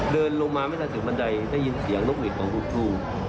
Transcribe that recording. เดินลงมาไม่ทันถึงบันไดได้ยินเสียงนกหวีดของคุณครู